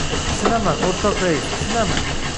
— Tushunaman, o‘rtoq rais, tushunaman.